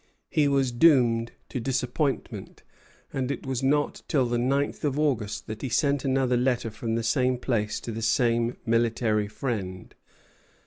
He was doomed to disappointment; and it was not till the ninth of August that he sent another letter from the same place to the same military friend.